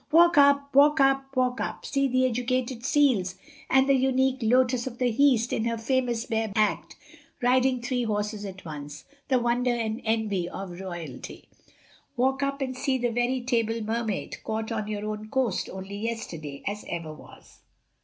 Walk up, walk up, walk up. See the Educated Seals and the Unique Lotus of the Heast in her famous bare backed act, riding three horses at once, the wonder and envy of royalty. Walk up and see the very table Mermaid caught on your own coast only yesterday as ever was."